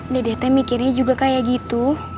dede teh mikirnya juga kayak gitu